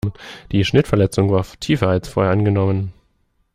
Die Schnittverletzung war tiefer als vorher angenommen.